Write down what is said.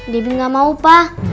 debbie nggak mau pak